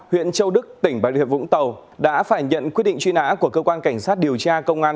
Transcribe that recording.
huyện châu đức tỉnh bà rịa vũng tàu đã phải nhận quyết định truy nã của cơ quan cảnh sát điều tra công an